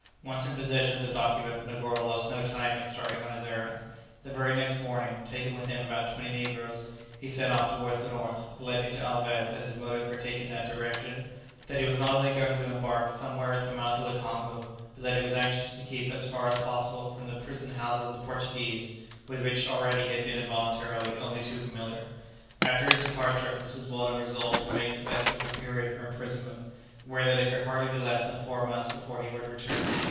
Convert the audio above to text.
Once in possession of the document, Negoro lost no time in starting on his errand. The very next morning, taking with him about twenty negroes, he set off towards the north, alleging to Alvez as his motive for taking that direction, that he was not only going to embark somewhere at the mouth of the Congo, but that he was anxious to keep as far as possible from the prison houses of the Portuguese, with which already he had been involuntarily only too familiar. After his departure, Mrs. Weldon resolved to make the best of her period of imprisonment, aware that it could hardly be less than four months before he would return.